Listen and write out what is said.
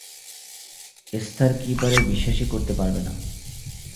Esther কী পারে বিশ্বাসই করতে পারবে না।